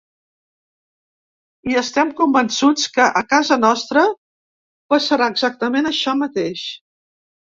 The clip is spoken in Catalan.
I estem convençuts que a casa nostra passarà exactament això mateix.